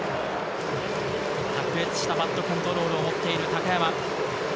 卓越したバットコントロールを持っている高山。